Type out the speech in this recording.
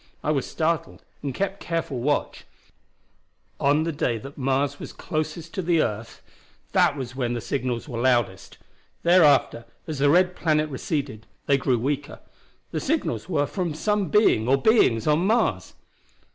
I was startled, and kept careful watch. On the day that Mars was closest the earth the signals were loudest. Thereafter, as the red planet receded, they grew weaker. The signals were from some being or beings on Mars!